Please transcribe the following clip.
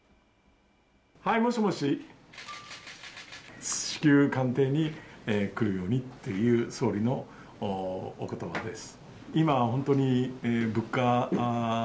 はいもしもし至急官邸へ来るようにという総理のお言葉です